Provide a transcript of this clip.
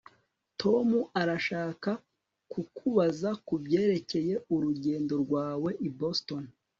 Tom arashaka kukubaza kubyerekeye urugendo rwawe i Boston